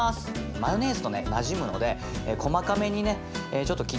マヨネーズとねなじむので細かめにねちょっと切ってあげてください。